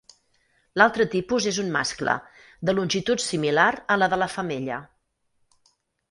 L'altre tipus és un mascle, de longitud similar a la de la femella.